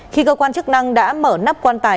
khi cơ quan chức năng đã mở nắp quan tài